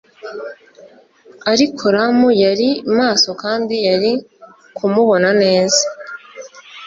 ariko rum yari maso kandi yari kumubona neza,